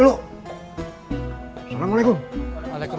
perkembangannya mbak v lambda